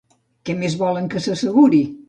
Què més volen que s'asseguri?